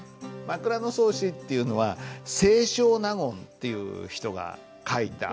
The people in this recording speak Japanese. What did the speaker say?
「枕草子」っていうのは清少納言という人が書いた。